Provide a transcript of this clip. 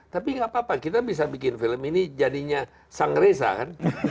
tapi gak apa apa kita bisa bikin film ini jadinya sang reza kan